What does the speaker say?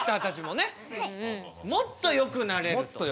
もっとよくなれると。